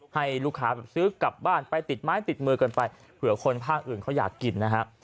ให้ลูกค้าแบบซื้อกลับบ้านไปติดไม้ติดมือกันไปเผื่อคนภาคอื่นเขาอยากกินนะฮะ